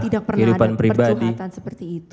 tidak pernah ada percuhatan seperti itu